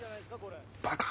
バカ！」。